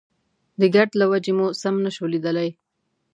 د ګرد له وجې مو سم نه شو ليدلی.